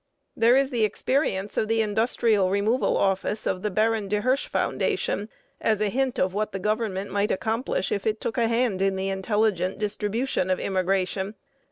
There is the experience of the Industrial Removal Office of the Baron de Hirsch Foundation as a hint of what the Government might accomplish if it took a hand in the intelligent distribution of immigration.